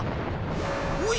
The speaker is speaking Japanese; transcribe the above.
おい！